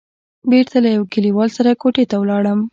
بېرته له يوه کليوال سره کوټې ته ولاړم.